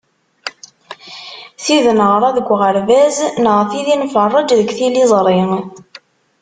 Tid neɣra deg uɣerbaz, neɣ tid i nferreǧ deg tiliẓri.